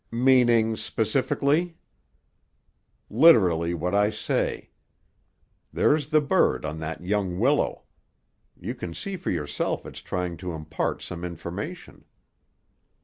"Meaning, specifically?" "Literally what I say. There's the bird on that young willow. You can see for yourself it's trying to impart some information."